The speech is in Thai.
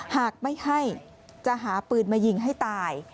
หากไม่ให้จะหาปืนมายิงให้ตาย